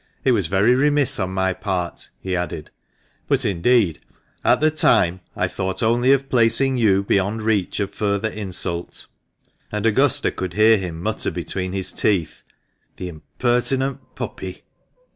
It was very remiss on my part," he added, " but, indeed, at the time I thought only of placing you beyond reach of THE MANCHESTER MAN. 223 further insult ;" and Augusta could hear him mutter between his teeth, "The impertinent puppy!"